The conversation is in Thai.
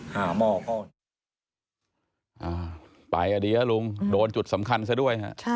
ไปก็ดีลุงโดนจุดสำคัญซะด้วย